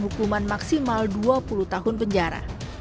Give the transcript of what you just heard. hukuman maksimal dua puluh tahun penjara